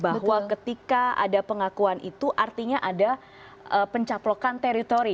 bahwa ketika ada pengakuan itu artinya ada pencaplokan teritori